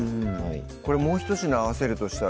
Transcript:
これもうひと品合わせるとしたら？